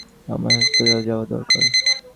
আমার হাসপাতালে যাওয়া দরকার।